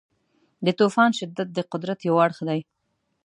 د طوفان شدت د قدرت یو اړخ دی.